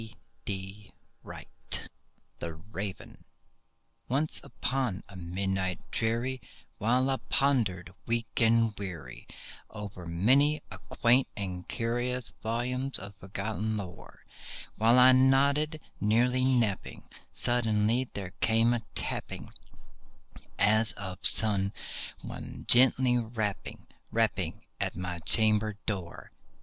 E. A. P. The Raven Once upon a midnight dreary, while I pondered, weak and weary, Over many a quaint and curious volume of forgotten lore— While I nodded, nearly napping, suddenly there came a tapping, As of some one gently rapping—rapping at my chamber door.